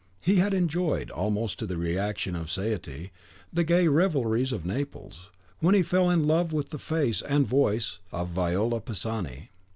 He had enjoyed, almost to the reaction of satiety, the gay revelries of Naples, when he fell in love with the face and voice of Viola Pisani.